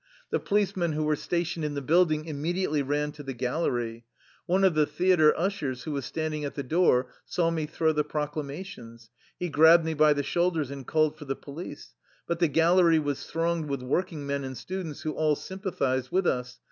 The policemen who were stationed in the building immediately ran to the gallery. One of the theater ushers, who was standing at the door, saw me throw the procla mations. He grabbed me by the shoulders and called for the police. But the gallery was thronged with working men and students who all sympathized with us.